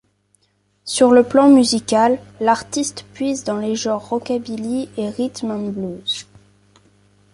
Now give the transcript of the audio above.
Sur le plan musical, l'artiste puise dans les genres Rockabilly et Rhythm and blues.